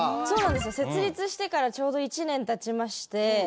そうなんですよ。設立してからちょうど１年経ちまして。